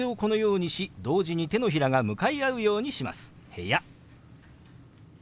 「部屋」。